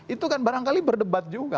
itu kan barangkali berdebat juga